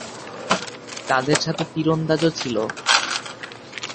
তাদের সাথে তীরন্দাজও ছিল।